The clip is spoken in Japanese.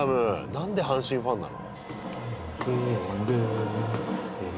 なんで阪神ファンなの？